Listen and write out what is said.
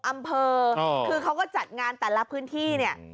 อำเภอคือเขาก็จัดงานแต่ละพื้นที่เนี่ย